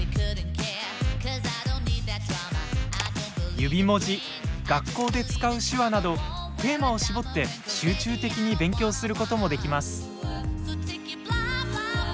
指文字学校で使う手話などテーマを絞って集中的に勉強することもできます。